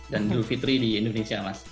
dan idul fitri di indonesia mas